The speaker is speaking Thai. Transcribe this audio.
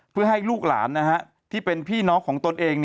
เพื่อให้ลูกหลานที่เป็นพี่น้องของตนเอง